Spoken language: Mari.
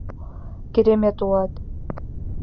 — Керемет улат!